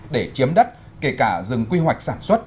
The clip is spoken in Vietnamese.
để chiếm đất kể cả rừng quy hoạch sản xuất